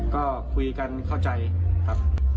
ก็คุยกันเข้าใจครับ